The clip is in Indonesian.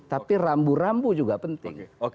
tapi rambu rambu juga penting